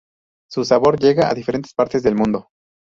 Su sabor llega a diferentes partes del mundo.